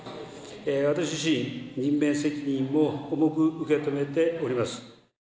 私自身、任命責任を重く受け止めております。